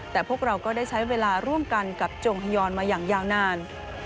แต่พวกเราก็ได้ใช้เวลาร่วมกันกับจงฮยอนมาอย่างยาวนาน